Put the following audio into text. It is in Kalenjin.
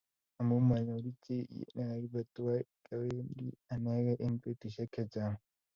Amu mayoru chi negagibe tuwai, kyawendi anegei eng betushiek chechang